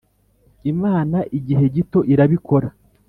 imana igihe gito irabikora